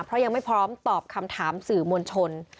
เพราะยังไม่พร้อมตอบคำถามสื่อมวลชน